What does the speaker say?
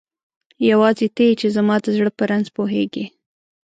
یواځی ته یی چی زما د زړه په رنځ پوهیږی